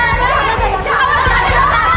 relatives igasi tuh gak korban sih